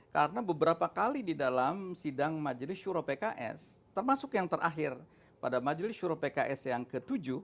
karena beberapa kali di dalam sidang majelis shura pks termasuk yang terakhir pada majelis shura pks yang ke tujuh